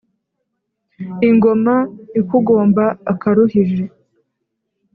ingoma ikugomba akaruhije